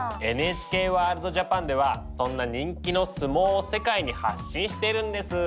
「ＮＨＫワールドＪＡＰＡＮ」ではそんな人気の相撲を世界に発信してるんです。